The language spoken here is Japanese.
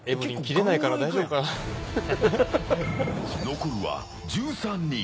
残るは１３人。